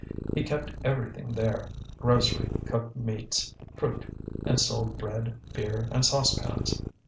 He kept everything there, grocery, cooked meats, fruit, and sold bread, beer, and saucepans.